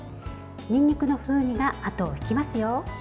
にんにくの風味があとを引きますよ。